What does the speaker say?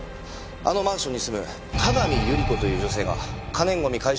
あのマンションに住む各務百合子という女性が可燃ゴミ回収